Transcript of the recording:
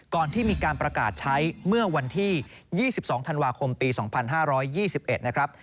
ที่มีการประกาศใช้เมื่อวันที่๒๒ธันวาคมปี๒๕๒๑นะครับ